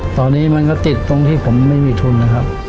ตอนนี้มันก็ติดตรงที่ผมไม่มีทุนนะครับ